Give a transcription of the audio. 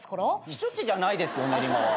避暑地じゃないですよ練馬は。